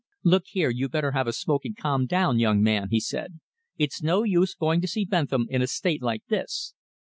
"Look here, you'd better have a smoke and calm down, young man," he said. "It's no use going to see Bentham in a state like this."